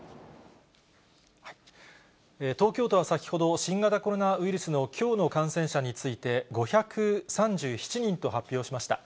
東京都は先ほど、新型コロナウイルスのきょうの感染者について５３７人と発表しました。